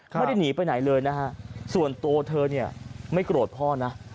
ไม่ได้หนีไปไหนเลยนะฮะส่วนตัวเธอเนี่ยไม่โกรธพ่อนะ